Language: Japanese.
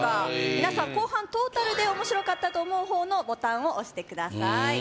皆さん後半トータルで面白かったと思う方のボタンを押してください